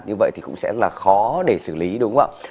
như vậy thì cũng sẽ là khó để xử lý đúng không ạ